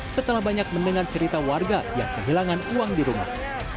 setelah banyak mendengar cerita warga yang kehilangan uang di rumah